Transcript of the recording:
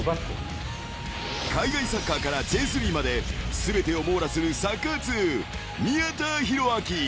［海外サッカーからＪ３まで全てを網羅するサッカー通］